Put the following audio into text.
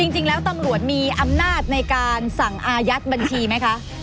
จริงแล้วตำรวจมีอำนาจในการสั่งอายัดบัญชีไหมคะ